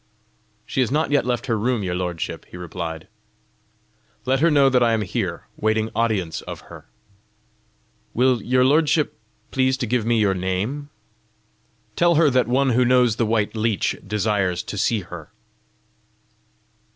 "She has not yet left her room, your lordship," he replied. "Let her know that I am here, waiting audience of her." "Will your lordship please to give me your name?" "Tell her that one who knows the white leech desires to see her."